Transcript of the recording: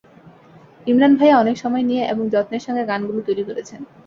ইমরান ভাইয়া অনেক সময় নিয়ে এবং যত্নের সঙ্গে গানগুলো তৈরি করছেন।